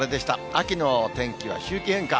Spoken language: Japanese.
秋の天気は周期変化。